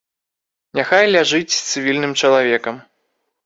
Няхай ляжыць цывільным чалавекам.